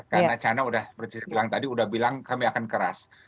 karena china sudah bilang tadi sudah bilang kami akan keras